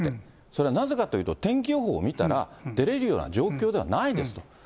それはなぜかというと、天気予報を見たら出れるような状況ではないですって。